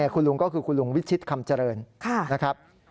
คุณลุงก็คือคุณลุงวิชิตคำเจริญนะครับ